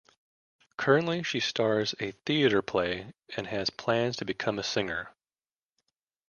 Currently she stars a theater play and has plans to become a singer.